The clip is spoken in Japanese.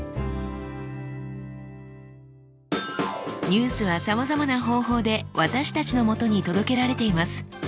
ニュースはさまざまな方法で私たちのもとに届けられています。